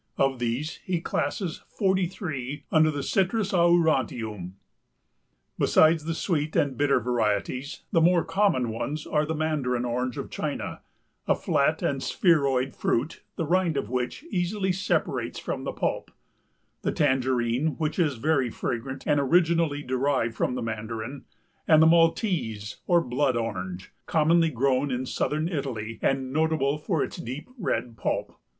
Of these he classes forty three under the Citrus aurantium. Besides the sweet and bitter varieties the more common ones are the Mandarin Orange of China, a flat and spheroidal fruit the rind of which easily separates from the pulp; the Tangerine, which is very fragrant and originally derived from the Mandarin, and the Maltese or Blood Orange, commonly grown in southern Italy and notable for its deep red pulp.